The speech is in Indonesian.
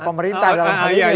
pemerintah dalam hal ini